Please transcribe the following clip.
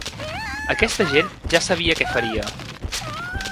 Aquesta gent ja sabia què faria.